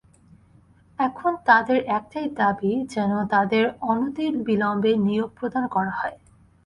এখন তাঁদের একটাই দাবি, যেন তাঁদের অনতিবিলম্বে নিয়োগ প্রদান করা হয়।